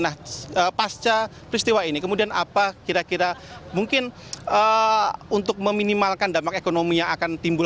nah pasca peristiwa ini kemudian apa kira kira mungkin untuk meminimalkan dampak ekonomi yang akan timbul